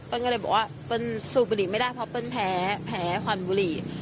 เป็นก็เลยบอกว่าเป็นสูบบุหรี่ไม่ได้เพราะเป็นแผลแผลควันบุหรี่